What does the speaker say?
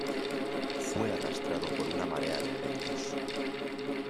Fue arrastrado por una marea de eventos.